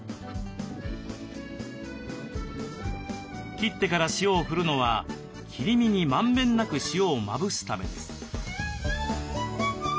切ってから塩を振るのは切り身にまんべんなく塩をまぶすためです。